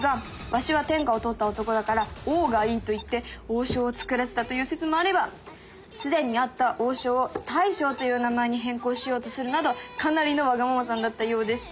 「わしは天下を取った男だから王がいい」と言って王将を作らせたという説もあればすでにあった王将を大将という名前に変更しようとするなどかなりのワガママさんだったようです。